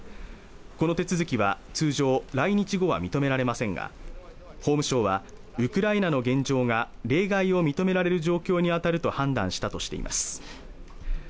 この手続きは通常来日後は認められませんが法務省はウクライナの現状が例外を認められる状況に当たると判断したとしています